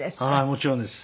もちろんです。